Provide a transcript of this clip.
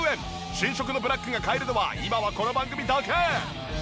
新色のブラックが買えるのは今はこの番組だけ。